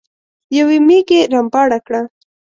يوې ميږې رمباړه کړه.